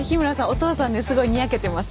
お父さんねすごいにやけてます。